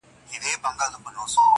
له هغه خو مي زړگی قلم قلم دئ،